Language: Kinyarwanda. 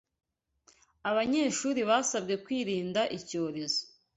Abanyeshuri basabwe kwirinda icyorezo